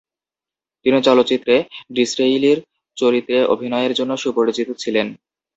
তিনি চলচ্চিত্রে ডিসরেইলি'র চরিত্রে অভিনয়ের জন্য সুপরিচিত ছিলেন।